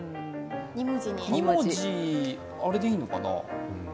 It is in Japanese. ２文字、あれでいいのかな。